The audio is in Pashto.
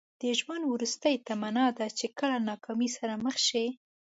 د ژوند وروستۍ تمنا ده چې کله ناکامۍ سره مخ شئ.